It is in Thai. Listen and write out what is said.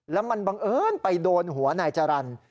แล้วมันบังเอิญไปโดนหัวนายจรรย์